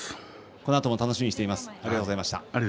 このあとも楽しみにしています。